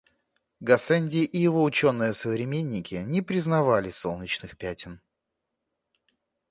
Гассенди и его ученые современники не признавали солнечных пятен.